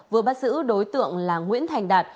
vừa bắt giữ đối tượng là nguyễn thành đạt